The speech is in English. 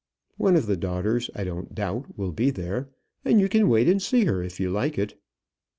One of the daughters, I don't doubt, will be there, and you can wait and see her if you like it.